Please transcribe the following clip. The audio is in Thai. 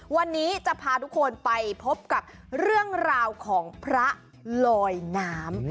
วันนี้จะพาทุกคนไปพบกับเรื่องราวของพระลอยน้ำ